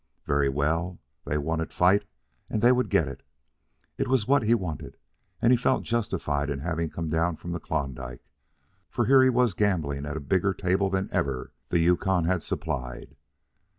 Very well; they wanted fight, and they would get it. It was what he wanted, and he felt justified in having come down from the Klondike, for here he was gambling at a bigger table than ever the Yukon had supplied.